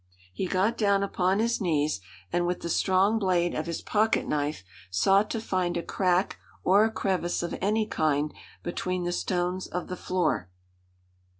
He got down upon his knees and with the strong blade of his pocket knife sought to find a crack or a crevice of any kind between the stones of the floor.